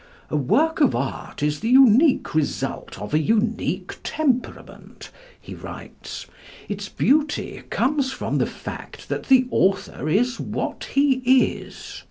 "A work of art is the unique result of a unique temperament," he writes. "Its beauty comes from the fact that the author is what he is....